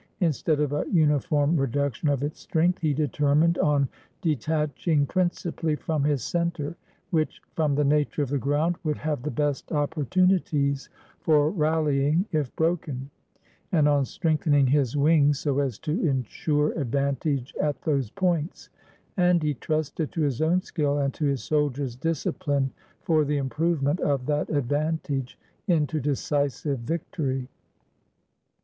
Instead of a uniform reduction of its strength, he determined on detaching principally from his center, which, from the nature of the ground, would have the best opportunities for rallying, if broken; and on strengthening his wings so as to insure advantage at those points; and he trusted to his own skill and to his soldiers' discipline for the improvement of that ad vantage into decisive victory.